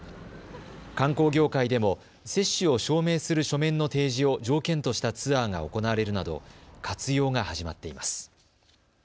観光業界でも接種を証明する書面の提示を条件としたツアーが行われるなど活用が始まっています。